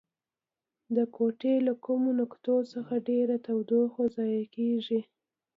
د کوټې له کومو نقطو څخه ډیره تودوخه ضایع کیږي؟